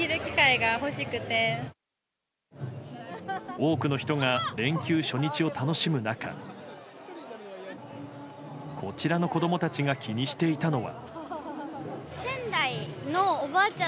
多くの人が連休初日を楽しむ中こちらの子供たちが気にしていたのは。